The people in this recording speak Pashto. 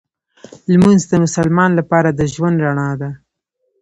لمونځ د مسلمان لپاره د ژوند رڼا ده